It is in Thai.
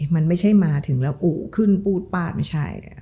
มันไม่ใช่มาถึงแล้วปูขึ้นปูดปาดไม่ใช่